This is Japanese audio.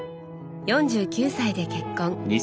４９歳で結婚。